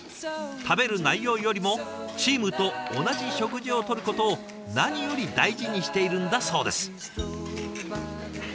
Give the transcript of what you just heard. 食べる内容よりも「チームと同じ食事をとること」を何より大事にしているんだそうです。